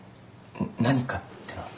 何かってのは。